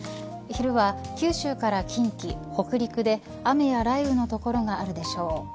昼は九州から近畿、北陸で雨や雷雨の所があるでしょう。